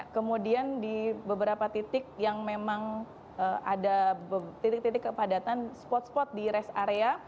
kemudian di beberapa titik yang memang ada titik titik kepadatan spot spot di rest area